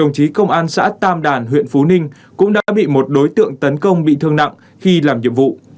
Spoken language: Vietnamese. đồng chí công an xã tam đàn huyện phú ninh cũng đã bị một đối tượng tấn công bị thương nặng khi làm nhiệm vụ